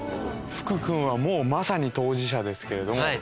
福君はもうまさに当事者ですけれども。